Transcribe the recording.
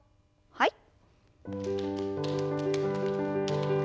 はい。